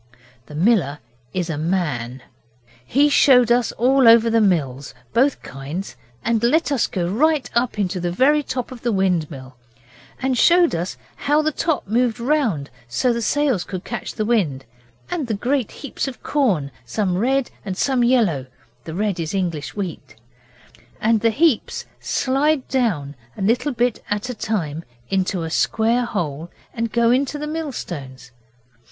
The miller is a MAN. He showed us all over the mills both kinds and let us go right up into the very top of the wind mill, and showed us how the top moved round so that the sails could catch the wind, and the great heaps of corn, some red and some yellow (the red is English wheat), and the heaps slice down a little bit at a time into a square hole and go down to the mill stones.